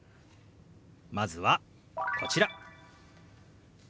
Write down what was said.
まずはこちら。